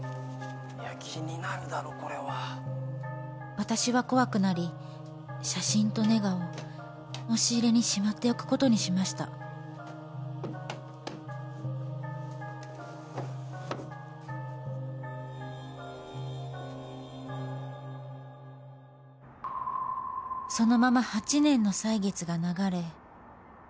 私は怖くなり写真とネガを押し入れにしまっておくことにしましたそのまま８年の歳月が流れ